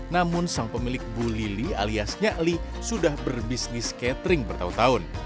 namun sang pemilik bu lili alias nyakli sudah berbisnis catering bertahun tahun